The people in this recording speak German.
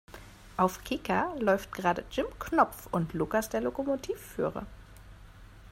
Auf Kika läuft gerade Jim Knopf und Lukas der Lokomotivführer.